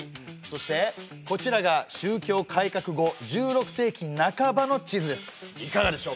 そしてこちらが宗教改革後１６世紀なかばの地図です。